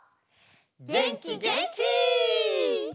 げんきげんき！